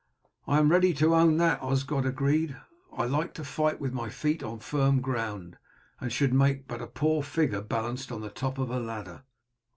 "I am ready to own that," Osgod agreed. "I like to fight with my feet on firm ground, and should make but a poor figure balanced on the top of a ladder."